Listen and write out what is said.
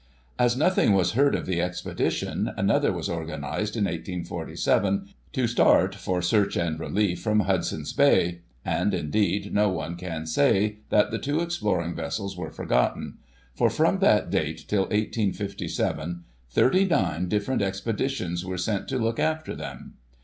As nothing was heard of the expedition, another was organised, in 1847, to start, for search and relief, from Hudson's Bay; and, indeed, no one can say that the two exploring vessels were forgotten; for, from that date, till 1857, thirty nine different expeditions were sent to look after tkem.